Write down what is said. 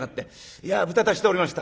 いや無沙汰しておりました」。